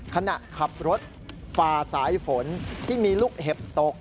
ขณะขับรถฝ่าสายฝนที่มีลูกเห็บตก